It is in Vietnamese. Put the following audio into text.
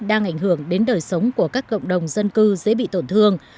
đang ảnh hưởng đến đời sống của các cộng đồng dân cư dễ bị tổn thương